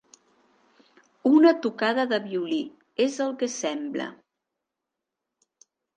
Una tocada de violí, és el que sembla.